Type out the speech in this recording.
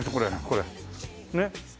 これねっ。